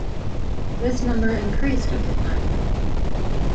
This number increased over time.